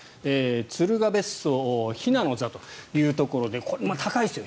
鶴雅別荘鄙の座というところでこれ、高いですね。